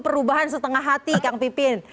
perubahan setengah hati kang pipin